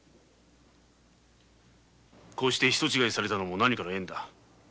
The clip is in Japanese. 人違いされたのも何かの縁だ。